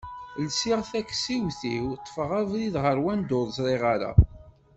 lsiɣ takessiwt-iw ṭfeɣ abrid ɣer wanda ur ẓriɣ ara.